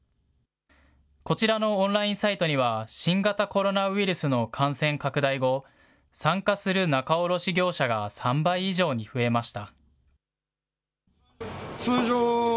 こちらのオンラインサイトには、新型コロナウイルスの感染拡大後、参加する仲卸業者が３倍以上に増えました。